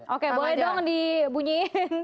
oke boleh dong dibunyiin